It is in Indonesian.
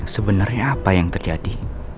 sebenarnya apa yang terjadi